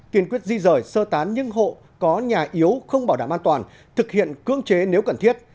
kiên quyết di rời sơ tán những hộ có nhà yếu không bảo đảm an toàn thực hiện cưỡng chế nếu cần thiết